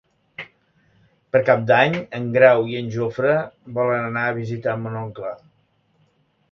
Per Cap d'Any en Grau i en Jofre volen anar a visitar mon oncle.